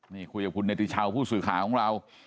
นี่คุยกับคุณเนติชาวผู้สื่อข่าวของเรา